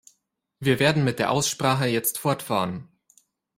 Wir werden mit der Aussprache jetzt fortfahren.